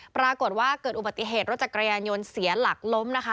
ปรากฏว่าเกิดอุบัติเหตุรถจักรยานยนต์เสียหลักล้มนะคะ